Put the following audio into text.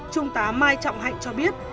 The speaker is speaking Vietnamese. trung tá mai trọng hạnh cho biết